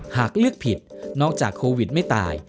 หากเลือกผิดนอกจากโควิดไม่ตาย